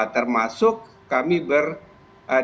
termasuk kami berkata